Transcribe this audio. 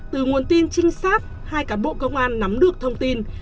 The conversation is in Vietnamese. từ nguồn tin trinh sát hai cán bộ công an nắm được thông tin